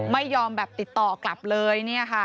ไม่ยอมแบบติดต่อกลับเลย